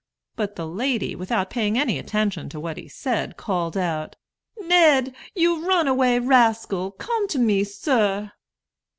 But the lady, without paying any attention to what he said, called out, "Ned, you runaway rascal, come to me, sir."